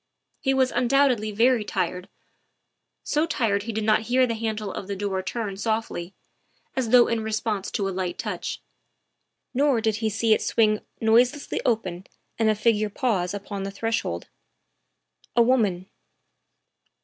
He was undoubtedly very tired so tired he did not hear the handle of the door turn softly, as though in response to a light touch; nor did he see it swing noiselessly open and a figure pause upon the threshold. A woman.